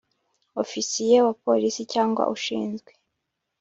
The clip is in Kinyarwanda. Ofisiye wa polisi cyangwa ushinzwe